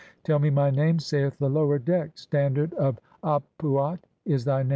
"Tell me my name," saith the (16) Lower deck ; "Standard "of Ap uat" is thy name.